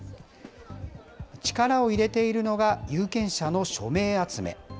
力を入れているのが、有権者の署名集め。